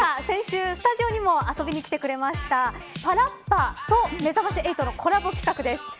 先週、スタジオにも遊びに来てくれましたパラッパとめざまし８のコラボ企画です。